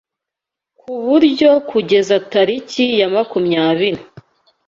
ku buryo kugeza tariki ya makumyabiri